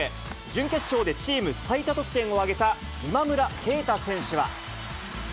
準決勝でチーム最多得点を挙げた今村佳太選手は。